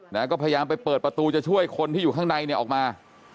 นะก็พยายามไปเปิดประตูจะช่วยคนที่อยู่ข้างในเนี่ยออกมา